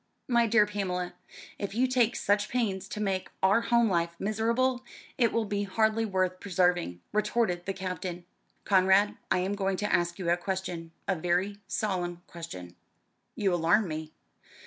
"My dear Pamela, if you take such pains to make our home life miserable, it will be hardly worth preserving," retorted the Captain. "Conrad, I am going to ask you a question a very solemn question." "You alarm me."